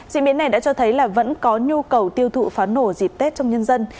diễn biến này đã cho thấy là vẫn có nhu cầu tiêu thụ pháo nổ dịp tết trong nhân dân